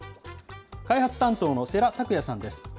開発担当の世良拓也さんです。